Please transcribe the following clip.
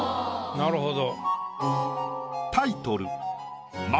なるほど。